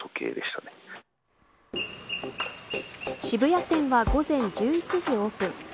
渋谷店は午前１１時オープン。